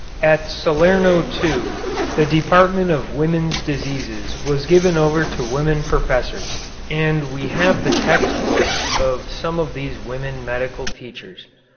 At Salerno, too, the department of women's diseases was given over to women professors, and we have the text books of some of these women medical teachers.